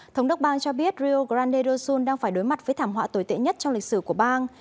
thống đốc bang cho biết rio grande do sul đang phải đối mặt với thảm họa tồi tệ nhất trong lịch sử của bang